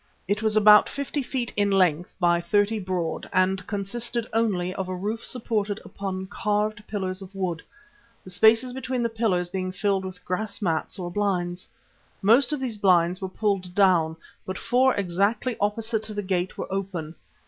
It was about fifty feet in length by thirty broad and consisted only of a roof supported upon carved pillars of wood, the spaces between the pillars being filled with grass mats or blinds. Most of these blinds were pulled down, but four exactly opposite the gate were open.